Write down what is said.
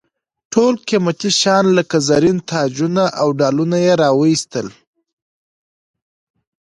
ټول قیمتي شیان لکه زرین تاجونه او ډالونه یې را واېستل.